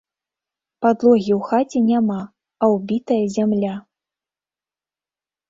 Падлогі ў хаце няма, а ўбітая зямля.